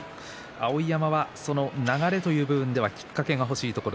碧山は流れという点ではそのきっかけが欲しいところ。